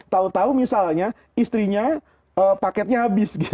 tahu tahu misalnya istrinya paketnya habis gitu